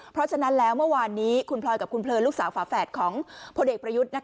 เพราะฉะนั้นแล้วเมื่อวานนี้คุณพลอยกับคุณเพลินลูกสาวฝาแฝดของพลเอกประยุทธ์